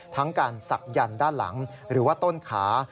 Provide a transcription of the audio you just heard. ทั้งการศักดันด้านหลังหรือว่าต้นขา